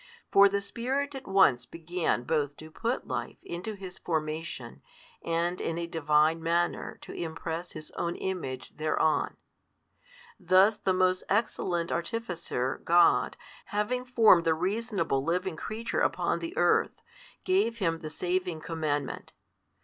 For the Spirit at once began both to put life into His formation and in a Divine manner to impress His own Image thereon. Thus the most excellent Artificer God, having formed the reasonable living creature upon the earth, gave him the saving commandment.